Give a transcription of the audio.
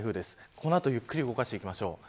この後ゆっくり動かしていきます。